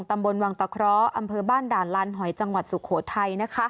ตำบลวังตะเคราะห์อำเภอบ้านด่านลานหอยจังหวัดสุโขทัย